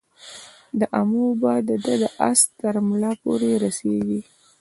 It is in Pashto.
د امو اوبه د ده د آس ترملا پوري رسیږي.